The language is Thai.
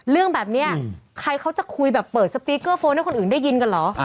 เรื่องแบบนี้ใครเขาจะคุยแบบเปิดสปีกเกอร์โฟนให้คนอื่นได้ยินกันเหรอ